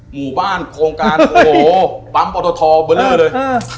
หมู่บ้านโครงการโอ้โหปั๊มปอตทเบอร์เลอร์เลย